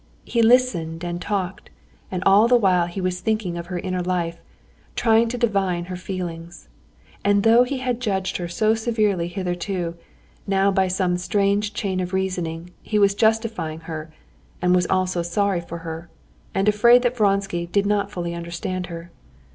He listened and talked, and all the while he was thinking of her inner life, trying to divine her feelings. And though he had judged her so severely hitherto, now by some strange chain of reasoning he was justifying her and was also sorry for her, and afraid that Vronsky did not fully understand her.